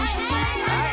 はい！